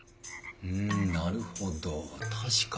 んなるほど確かに。